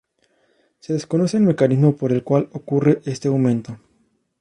Se desconoce el mecanismo por el cual ocurre este aumento.